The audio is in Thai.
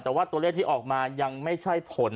แต่ว่าตัวเลขที่ออกมายังไม่ใช่ผล